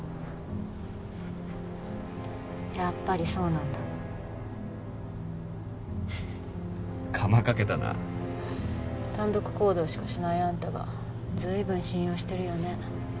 やっぱりそうなんだフフッカマかけたな単独行動しかしないあんたがずいぶん信用してるよね